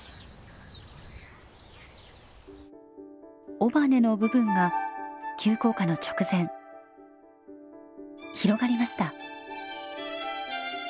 尾羽の部分が急降下の直前広がりました！